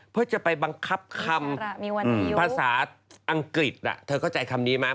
เพื่อจะไปบังคับคำภาษาอังกฤษเธอเข้าใจคำนี้ไหม